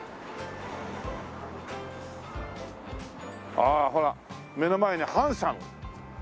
ああほら目の前に「はんさむ」。